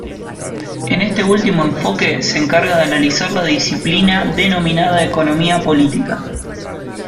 En este último enfoque, se encarga de analizar la disciplina denominada Economía política.